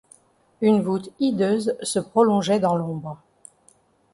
Une voûte hideuse se prolongeait dans l’ombre.